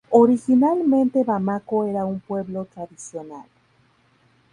Originalmente Bamako era un pueblo tradicional.